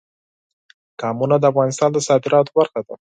قومونه د افغانستان د صادراتو برخه ده.